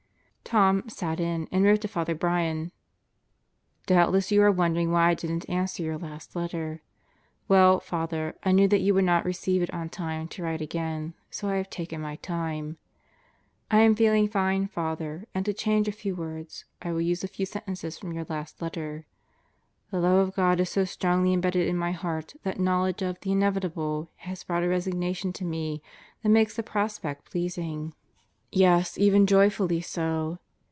Tom "sat in," and wrote to Father Brian: Doubtless you are wondering why I didn't answer your last letter. Well, Father, I knew that you would not receive it on time to write again, so I have taken my time. ... I am feeling fine, Father, and to change a few words, I will use a few sentences from your last letter: The love of God is so strongly embedded in my heart that knowledge of the "inevitable" has brought a resignation to me that makes the prospect pleasing yes, 194 God Goes to Murderers Row even joyfully so.